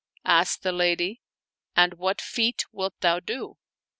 " Asked the lady, " And what feat wilt thou do?